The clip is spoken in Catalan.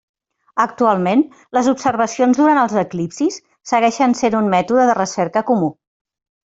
Actualment, les observacions durant els eclipsis segueixen sent un mètode de recerca comú.